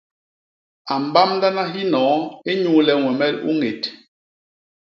A mbamdana hinoo inyuule ñwemel u ñét.